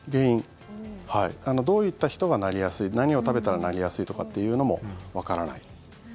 どういった人がなりやすい何を食べたらなりやすいとかというのもわからない。